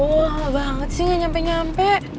duhh gak banget sih gak nyampe nyampe